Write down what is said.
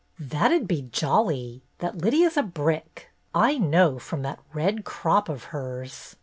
"That'd be jolly. That Lydia's a brick. I know from that red crop of hers."